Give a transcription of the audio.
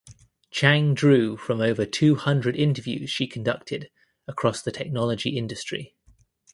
Chang drew from over two hundred interviews she conducted across the technology industry.